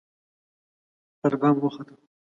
پربام وخته